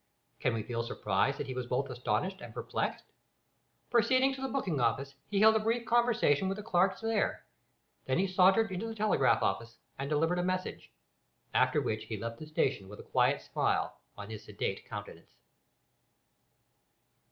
Can we feel surprised that he was both astonished and perplexed? Proceeding to the booking office he held a brief conversation with the clerks there; then he sauntered into the telegraph office and delivered a message, after which he left the station with a quiet smile on his sedate countenance.